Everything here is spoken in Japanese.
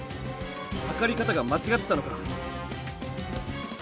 はかり方が間ちがってたのか！